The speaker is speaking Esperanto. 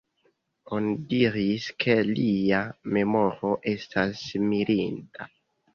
Oni diris ke lia memoro estas mirinda.